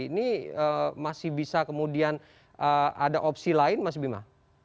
ini masih bisa kemudian ada opsi lain mas bima